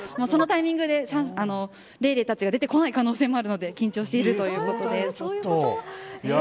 そのタイミングでレイレイたちが出てこない可能性もあるので緊張しているということです。